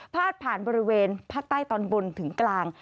ผ่านบริเวณภาคใต้ตอนบนถึงกลาง